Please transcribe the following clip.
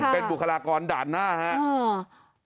เป็นบุคลากรด่านหน้าครับ